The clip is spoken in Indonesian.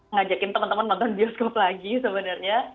ngajakin teman teman nonton bioskop lagi sebenarnya